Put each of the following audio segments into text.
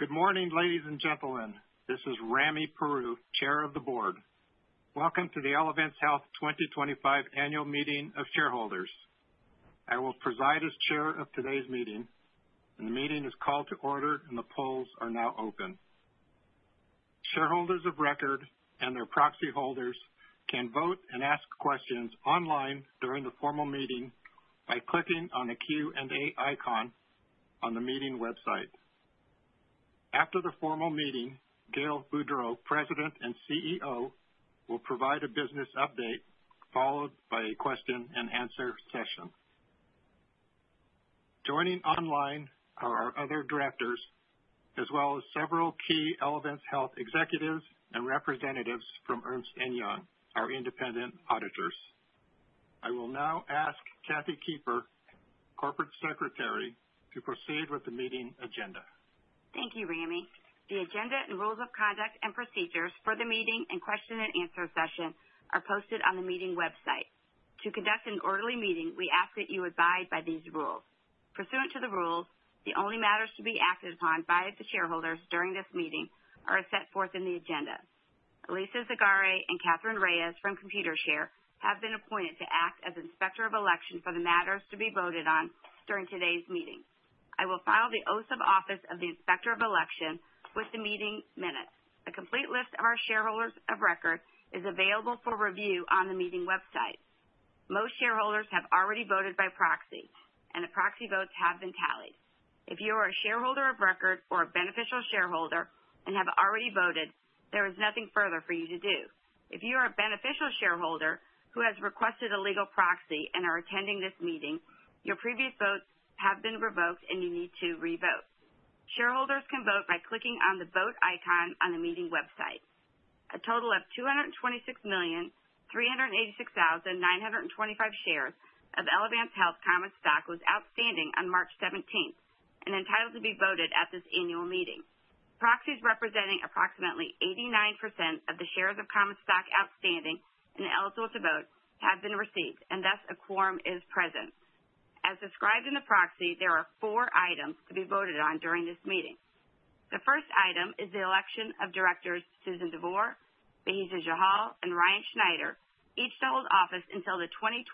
Good morning, ladies and gentlemen. This is Rami Peru, Chair of the Board. Welcome to the Elevance Health 2025 Annual Meeting of Shareholders. I will preside as Chair of today's meeting, and the meeting is called to order, and the polls are now open. Shareholders of record and their proxy holders can vote and ask questions online during the formal meeting by clicking on the Q&A icon on the meeting website. After the formal meeting, Gail Boudreaux, President and CEO, will provide a business update, followed by a question-and-answer session. Joining online are our other directors, as well as several key Elevance Health executives and representatives from Ernst & Young, our independent auditors. I will now ask Kathy Kiefer, Corporate Secretary, to proceed with the meeting agenda. Thank you, Rami. The agenda and rules of conduct and procedures for the meeting and question-and-answer session are posted on the meeting website. To conduct an orderly meeting, we ask that you abide by these rules. Pursuant to the rules, the only matters to be acted upon by the shareholders during this meeting are as set forth in the agenda. Alisa Zagare and Katherine Reyes from Computershare have been appointed to act as Inspector of Election for the matters to be voted on during today's meeting. I will file the Oath of the Inspector of Election with the meeting minutes. A complete list of our shareholders of record is available for review on the meeting website. Most shareholders have already voted by proxy, and the proxy votes have been tallied. If you are a shareholder of record or a beneficial shareholder and have already voted, there is nothing further for you to do. If you are a beneficial shareholder who has requested a legal proxy and are attending this meeting, your previous votes have been revoked, and you need to revote. Shareholders can vote by clicking on the vote icon on the meeting website. A total of 226,386,925 shares of Elevance Health Common Stock was outstanding on March 17th and entitled to be voted at this annual meeting. Proxies representing approximately 89% of the shares of Common Stock outstanding and eligible to vote have been received, and thus a quorum is present. As described in the proxy, there are four items to be voted on during this meeting. The first item is the election of directors Susan DeVore, Bahija Jallal, and Ryan Schneider, each to hold office until the 2028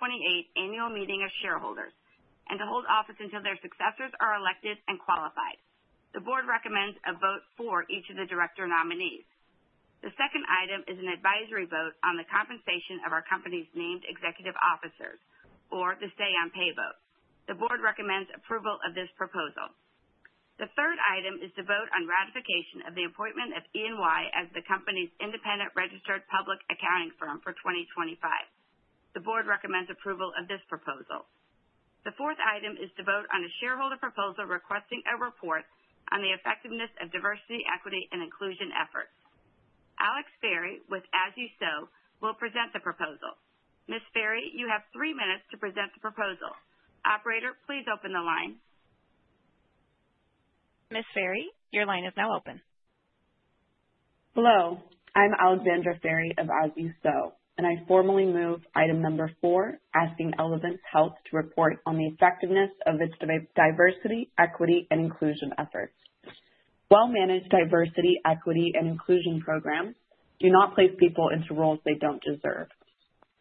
Annual Meeting of Shareholders and to hold office until their successors are elected and qualified. The Board recommends a vote for each of the director nominees. The second item is an advisory vote on the compensation of our company's named executive officers, or the Say-on-Pay vote. The Board recommends approval of this proposal. The third item is to vote on ratification of the appointment of EY as the company's independent registered public accounting firm for 2025. The Board recommends approval of this proposal. The fourth item is to vote on a shareholder proposal requesting a report on the effectiveness of diversity, equity, and inclusion efforts. Alex Ferry with As You Sow will present the proposal. Ms. Ferry, you have three minutes to present the proposal. Operator, please open the line. Ms. Ferry, your line is now open. Hello. I'm Alexandra Ferry of As You Sow, and I formally move item number four, asking Elevance Health to report on the effectiveness of its diversity, equity, and inclusion efforts. Well-managed diversity, equity, and inclusion programs do not place people into roles they don't deserve.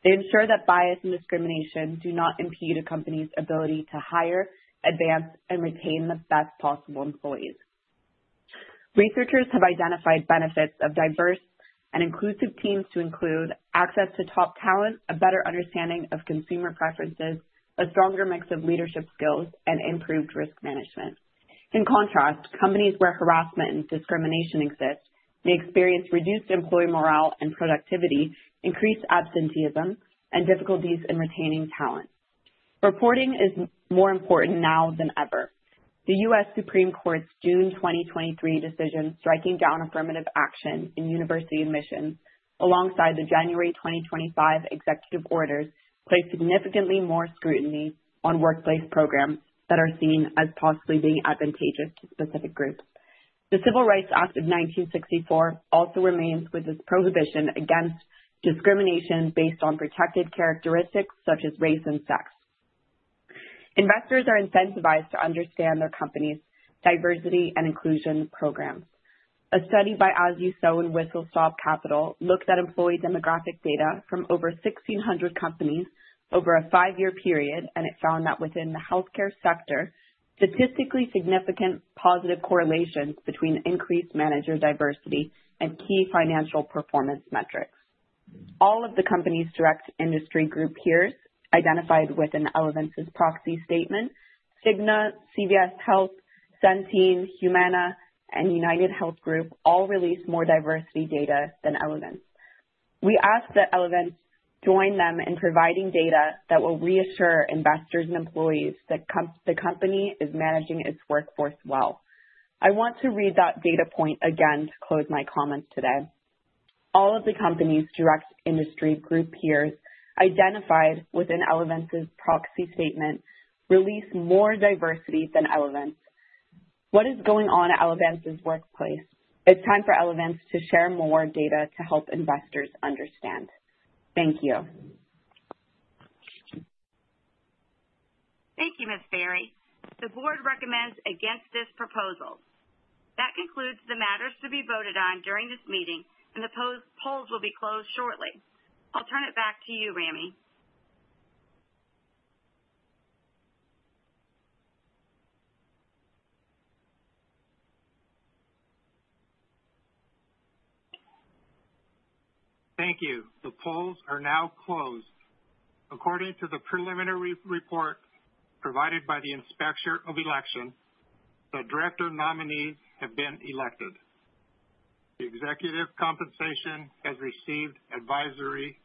They ensure that bias and discrimination do not impede a company's ability to hire, advance, and retain the best possible employees. Researchers have identified benefits of diverse and inclusive teams to include access to top talent, a better understanding of consumer preferences, a stronger mix of leadership skills, and improved risk management. In contrast, companies where harassment and discrimination exist may experience reduced employee morale and productivity, increased absenteeism, and difficulties in retaining talent. Reporting is more important now than ever. The U.S. Supreme Court's June 2023 decision striking down affirmative action in university admissions alongside the January 2025 executive orders placed significantly more scrutiny on workplace programs that are seen as possibly being advantageous to specific groups. The Civil Rights Act of 1964 also remains with its prohibition against discrimination based on protected characteristics such as race and sex. Investors are incentivized to understand their company's diversity and inclusion programs. A study by As You Sow and Whistle Stop Capital looked at employee demographic data from over 1,600 companies over a five-year period, and it found that within the healthcare sector, statistically significant positive correlations between increased manager diversity and key financial performance metrics. All of the company's direct industry group peers identified within Elevance's proxy statement, Cigna, CVS Health, Centene, Humana, and UnitedHealth Group all released more diversity data than Elevance. We ask that Elevance join them in providing data that will reassure investors and employees that the company is managing its workforce well. I want to read that data point again to close my comments today. All of the company's direct industry group peers identified within Elevance's proxy statement release more diversity than Elevance. What is going on at Elevance's workplace? It's time for Elevance to share more data to help investors understand. Thank you. Thank you, Ms. Ferry. The Board recommends against this proposal. That concludes the matters to be voted on during this meeting, and the polls will be closed shortly. I'll turn it back to you, Rami. Thank you. The polls are now closed. According to the preliminary report provided by the Inspector of Election, the director nominees have been elected. The executive compensation has received advisory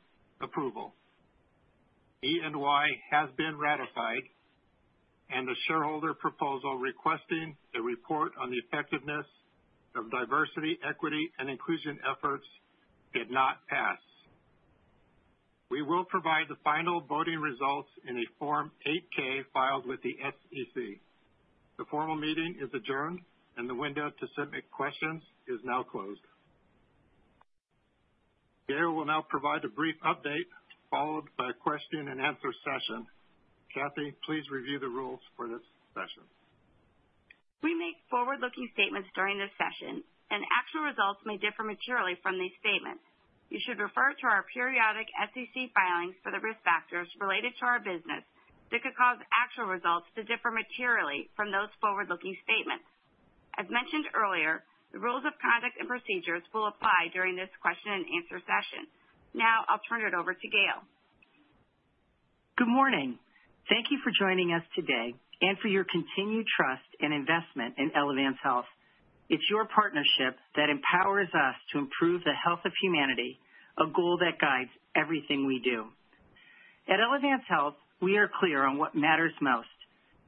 approval. EY has been ratified, and the shareholder proposal requesting a report on the effectiveness of diversity, equity, and inclusion efforts did not pass. We will provide the final voting results in a Form 8-K filed with the SEC. The formal meeting is adjourned, and the window to submit questions is now closed. Gail will now provide a brief update, followed by a question-and-answer session. Kathy, please review the rules for this session. We make forward-looking statements during this session, and actual results may differ materially from these statements. You should refer to our periodic SEC filings for the risk factors related to our business that could cause actual results to differ materially from those forward-looking statements. As mentioned earlier, the rules of conduct and procedures will apply during this question-and-answer session. Now I'll turn it over to Gail. Good morning. Thank you for joining us today and for your continued trust and investment in Elevance Health. It's your partnership that empowers us to improve the health of humanity, a goal that guides everything we do. At Elevance Health, we are clear on what matters most: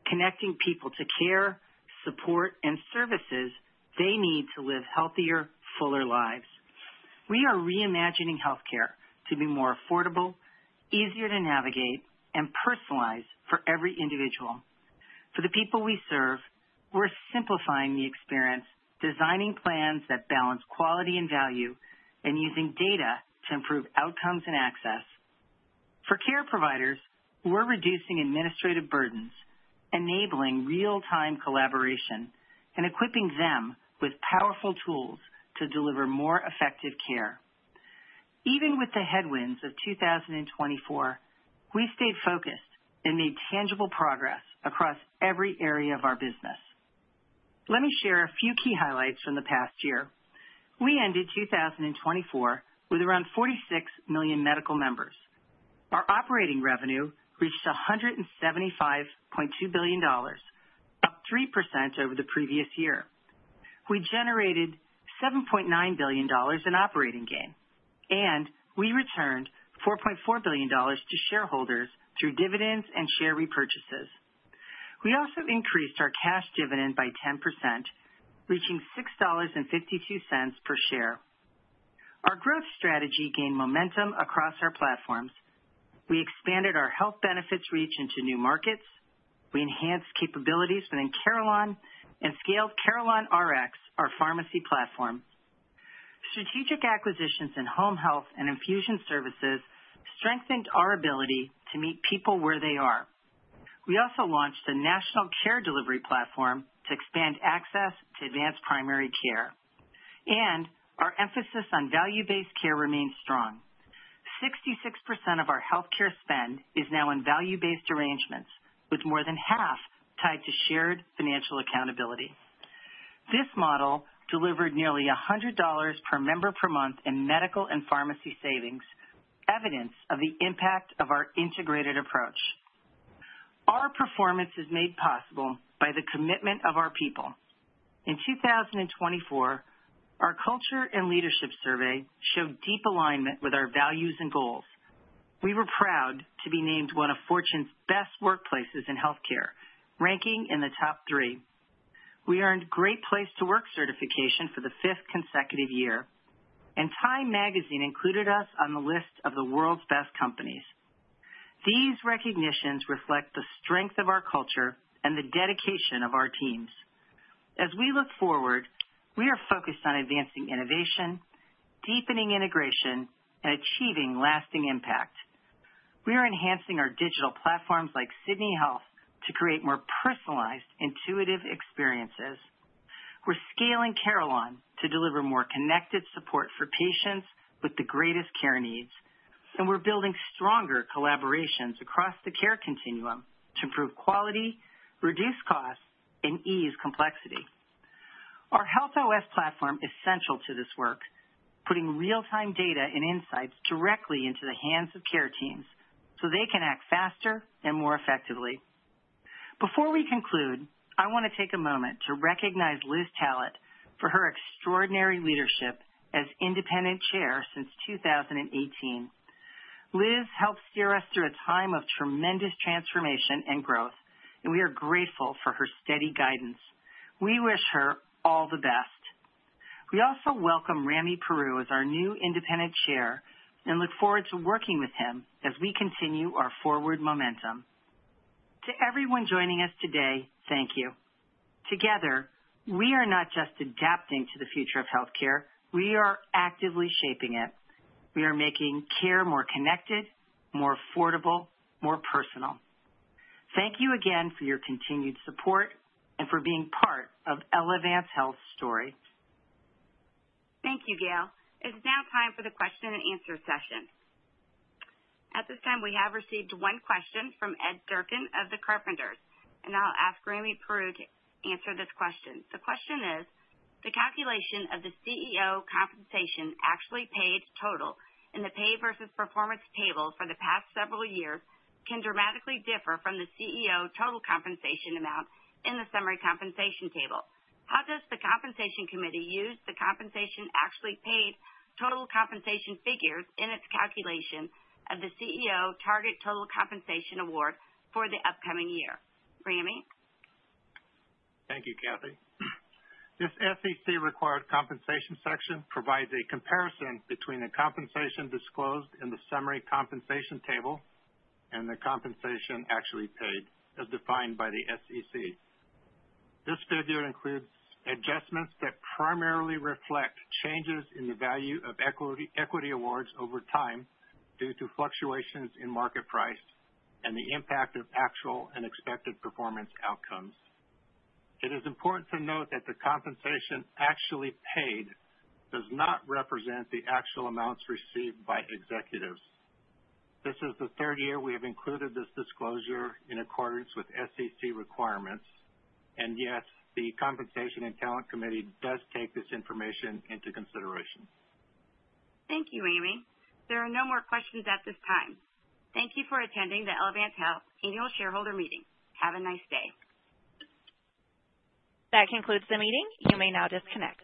connecting people to care, support, and services they need to live healthier, fuller lives. We are reimagining healthcare to be more affordable, easier to navigate, and personalized for every individual. For the people we serve, we're simplifying the experience, designing plans that balance quality and value, and using data to improve outcomes and access. For care providers, we're reducing administrative burdens, enabling real-time collaboration, and equipping them with powerful tools to deliver more effective care. Even with the headwinds of 2024, we stayed focused and made tangible progress across every area of our business. Let me share a few key highlights from the past year. We ended 2024 with around 46 million medical members. Our operating revenue reached $175.2 billion, up 3% over the previous year. We generated $7.9 billion in operating gain, and we returned $4.4 billion to shareholders through dividends and share repurchases. We also increased our cash dividend by 10%, reaching $6.52 per share. Our growth strategy gained momentum across our platforms. We expanded our health benefits reach into new markets. We enhanced capabilities within Carelon and scaled CarelonRx, our pharmacy platform. Strategic acquisitions in home health and infusion services strengthened our ability to meet people where they are. We also launched a national care delivery platform to expand access to advanced primary care, and our emphasis on value-based care remains strong. 66% of our healthcare spend is now in value-based arrangements, with more than half tied to shared financial accountability. This model delivered nearly $100 per member per month in medical and pharmacy savings, evidence of the impact of our integrated approach. Our performance is made possible by the commitment of our people. In 2024, our culture and leadership survey showed deep alignment with our values and goals. We were proud to be named one of Fortune's Best Workplaces in Health Care, ranking in the top three. We earned Great Place to Work certification for the fifth consecutive year, and Time Magazine included us on the list of the World's Best Companies. These recognitions reflect the strength of our culture and the dedication of our teams. As we look forward, we are focused on advancing innovation, deepening integration, and achieving lasting impact. We are enhancing our digital platforms like Sydney Health to create more personalized, intuitive experiences. We're scaling Carelon to deliver more connected support for patients with the greatest care needs, and we're building stronger collaborations across the care continuum to improve quality, reduce costs, and ease complexity. Our Health OS platform is central to this work, putting real-time data and insights directly into the hands of care teams so they can act faster and more effectively. Before we conclude, I want to take a moment to recognize Liz Tallett for her extraordinary leadership as independent Chair since 2018. Liz helped steer us through a time of tremendous transformation and growth, and we are grateful for her steady guidance. We wish her all the best. We also welcome Rami Peru as our new independent Chair and look forward to working with him as we continue our forward momentum. To everyone joining us today, thank you. Together, we are not just adapting to the future of healthcare. We are actively shaping it. We are making care more connected, more affordable, more personal. Thank you again for your continued support and for being part of Elevance Health's story. Thank you, Gail. It's now time for the question-and-answer session. At this time, we have received one question from Ed Durkin of the Carpenters, and I'll ask Rami Peru to answer this question. The question is, the calculation of the CEO compensation actually paid total in the Pay Versus Performance table for the past several years can dramatically differ from the CEO total compensation amount in the Summary Compensation Table. How does the compensation committee use the compensation actually paid total compensation figures in its calculation of the CEO target total compensation award for the upcoming year? Rami? Thank you, Kathy. This SEC-required compensation section provides a comparison between the compensation disclosed in the Summary Compensation Table and the Compensation Actually Paid, as defined by the SEC. This figure includes adjustments that primarily reflect changes in the value of equity awards over time due to fluctuations in market price and the impact of actual and expected performance outcomes. It is important to note that the Compensation Actually Paid does not represent the actual amounts received by executives. This is the third year we have included this disclosure in accordance with SEC requirements, and yet the Compensation and Talent Committee does take this information into consideration. Thank you, Rami. There are no more questions at this time. Thank you for attending the Elevance Health annual shareholder meeting. Have a nice day. That concludes the meeting. You may now disconnect.